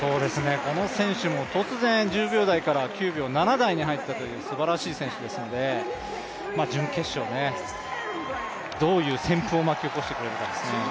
この選手も突然１０秒台から９秒７台に入ったすばらしい選手ですので準決勝、どういう旋風を巻き起こしてくれるかですね。